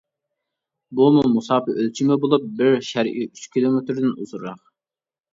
بۇمۇ مۇساپە ئۆلچىمى بولۇپ، بىر شەرئى ئۈچ كىلومېتىردىن ئۇزۇنراق.